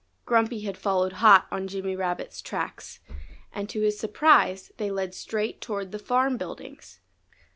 Grumpy had followed hot on Jimmy Rabbit's tracks. And to his surprise they led straight toward the farm buildings.